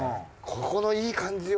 ここのいい感じを。